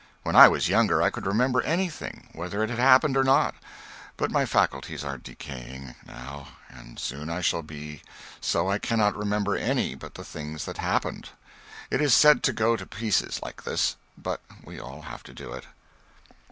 When I was younger I could remember anything, whether it had happened or not; but my faculties are decaying, now, and soon I shall be so I cannot remember any but the things that happened. It is sad to go to pieces like this, but we all have to do it.